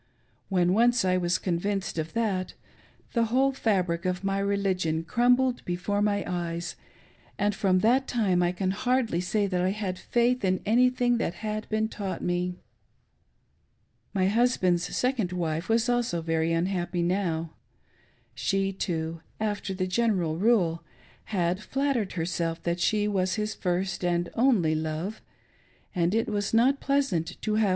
When once I was convinced of that, the whole fabric of my religion crumbled before my eyes ; and from that time I Can hardly say that I had faith in anything that had been taught m'e. My husband's second wife was also very unhappy now. She, too, after the general rule, had flattered herself that she BELINDA S CHILD. . 543 was " his first and only love," and it was not pleasant to have